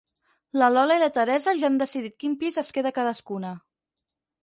La Lola i la Teresa ja han decidit quin pis es queda cadascuna.